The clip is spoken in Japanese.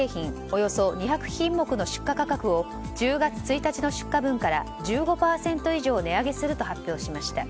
およそ２００品目の出荷価格を１０月１日の出荷分から１５％以上値上げすると発表しました。